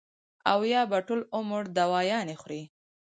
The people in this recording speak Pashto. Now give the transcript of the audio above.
او يا به ټول عمر دوايانې خوري -